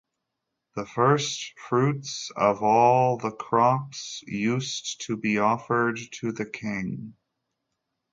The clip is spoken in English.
The first-fruits of all the crops used to be offered to the king.